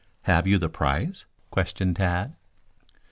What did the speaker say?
"Have you the price?" questioned Tad.